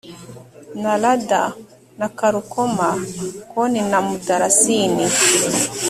narada na karukoma kone na mudarasini